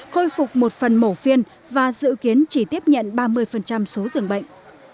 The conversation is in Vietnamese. khôi phục một phần mổ phiên và dự kiến chỉ tiếp nhận ba mươi số dường bệnh